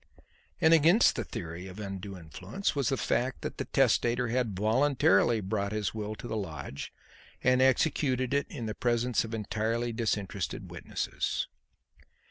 And against the theory of undue influence was the fact that the testator had voluntarily brought his will to the lodge and executed it in the presence of entirely disinterested witnesses.